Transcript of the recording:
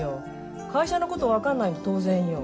会社のこと分かんないの当然よ。